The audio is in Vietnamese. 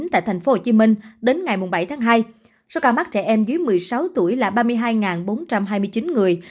tại thành phố hồ chí minh đến ngày bảy tháng hai số ca mắc trẻ em dưới một mươi sáu tuổi là ba mươi hai bốn trăm hai mươi chín người